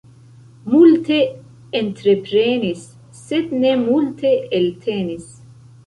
Multe entreprenis, sed ne multe eltenis.